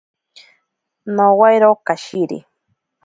Nowairo kashiri.